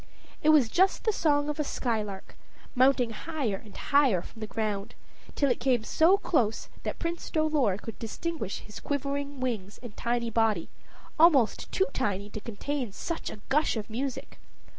It was just the song of a skylark, mounting higher and higher from the ground, till it came so close that Prince Dolor could distinguish his quivering wings and tiny body, almost too tiny to contain such a gush of music.